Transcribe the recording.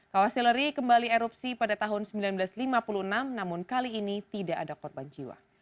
kawah sileri kembali erupsi pada tahun seribu sembilan ratus lima puluh enam namun kali ini tidak ada korban jiwa